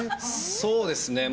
そうですね。